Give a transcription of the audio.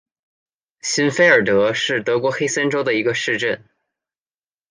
欣费尔德是德国黑森州的一个市镇。